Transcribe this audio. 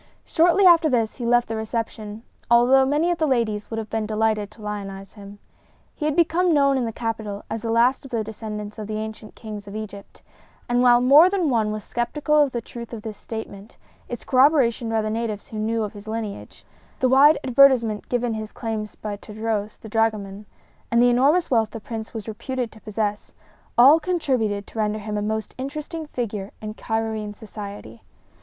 Shortly after this he left the reception, although many of the ladies would have been delighted to lionize him. He had become known in the capital as the last of the descendants of the ancient kings of Egypt; and while more than one was skeptical of the truth of this statement, its corroboration by the natives who knew of his lineage, the wide advertisement given his claims by Tadros, the dragoman, and the enormous wealth the Prince was reputed to possess, all contributed to render him a most interesting figure in Cairoene society.